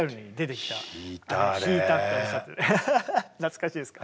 懐かしいですか。